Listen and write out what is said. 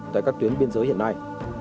tại các tuyến biên giới hiện nay